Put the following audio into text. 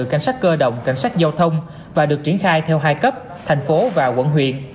cảnh sát cơ động cảnh sát giao thông và được triển khai theo hai cấp thành phố và quận huyện